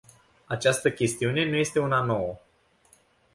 Această chestiune nu este una nouă.